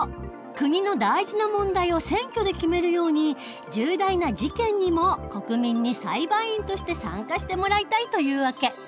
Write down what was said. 国の大事な問題を選挙で決めるように重大な事件にも国民に裁判員として参加してもらいたいという訳。